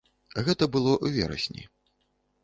Гэта было ў верасні.